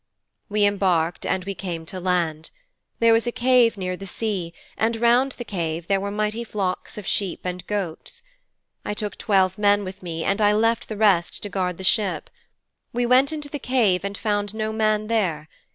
"' E embarked and we came to the land. There was a cave near the sea, and round the cave there were mighty flocks of sheep and goats. I took twelve men with me and I left the rest to guard the ship. We went into the cave and found no man there.